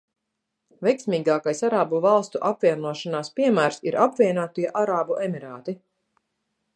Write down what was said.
Veiksmīgākais arābu valstu apvienošanās piemērs ir Apvienotie arābu emirāti.